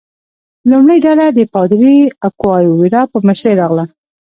لومړۍ ډله د پادري اکواویوا په مشرۍ راغله.